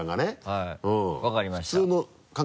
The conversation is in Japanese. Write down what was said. はい分かりました。